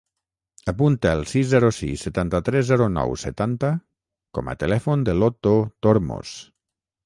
Apunta el sis, zero, sis, setanta-tres, zero, nou, setanta com a telèfon de l'Otto Tormos.